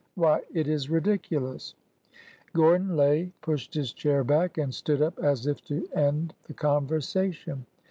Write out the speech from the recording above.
Why, it is ridiculous !" Gordon Lay pushed his chair back and stood up as if to end the conversation.